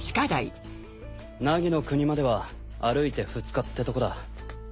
凪の国までは歩いて２日ってとこだ。